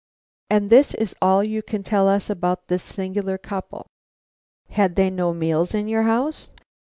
"And this is all you can tell us about this singular couple? Had they no meals in your house?"